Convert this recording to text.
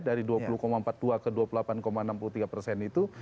dari dua puluh empat puluh dua ke dua puluh delapan enam puluh tiga persen itu